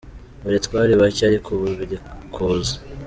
Mbere twari bake ariko ubu biri kuza.